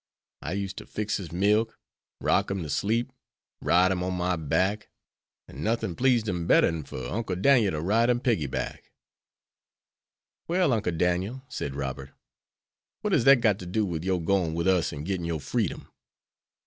I used to fix his milk, rock him to sleep, ride him on my back, an' nothin' pleased him better'n fer Uncle Dan'el to ride him piggy back." "Well, Uncle Daniel," said Robert, "what has that got to do with your going with us and getting your freedom?"